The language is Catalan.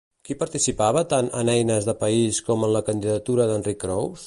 Qui participava tant en Eines de País com en la candidatura d'Enric Crous?